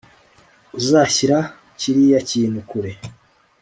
uzashyira kiriya kintu kure